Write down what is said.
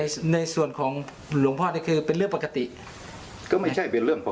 อัตตามากก็ยอมรับว่าอัตตามากก็จะใช้แบบ